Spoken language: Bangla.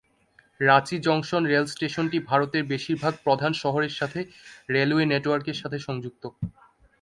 রাঁচি জংশন রেলস্টেশনটি ভারতের বেশিরভাগ প্রধান শহরের সাথে রেলওয়ে নেটওয়ার্কের সাথে সংযুক্ত।